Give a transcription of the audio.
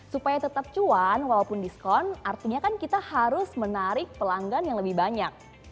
supaya tetap cuan walaupun diskon artinya kan kita harus menarik pelanggan yang lebih banyak